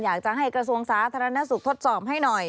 อยากจะให้กระทรวงสาธารณสุขทดสอบให้หน่อย